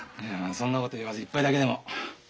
いやそんなこと言わず一杯だけでも。